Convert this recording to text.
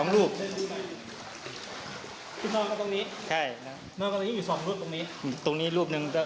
แล้วหลุมที่นอนอย่างไร